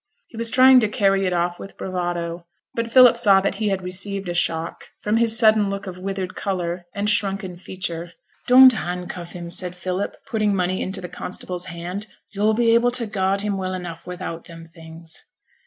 He was trying to carry it off with bravado, but Philip saw that he had received a shock, from his sudden look of withered colour and shrunken feature. 'Don't handcuff him,' said Philip, putting money into the constable's hand. 'You'll be able to guard him well enough without them things.'